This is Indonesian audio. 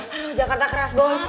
aduh jakarta keras bos